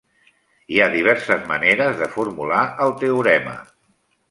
Hi ha diverses maneres de formular el teorema.